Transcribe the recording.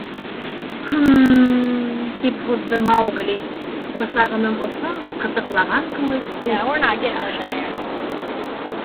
— Һы-ым, — тип һуҙҙы Маугли, бысағының осон, ҡытыҡлаған кеүек, ус төбөндә ышҡыны.